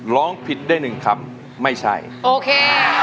ร้องผิดได้หนึ่งคำไม่ใช่โอเค